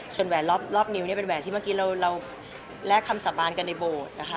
ชนแหวนรอบนิ้วเป็นแหวนที่เมื่อกี้เราแลกคำสาบานกันในโบสถ์